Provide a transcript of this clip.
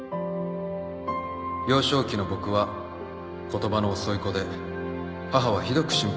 「幼少期の僕は言葉の遅い子で母はひどく心配したらしい」